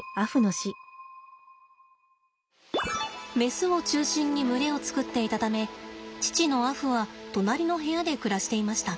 メスを中心に群れを作っていたため父のアフは隣の部屋で暮らしていました。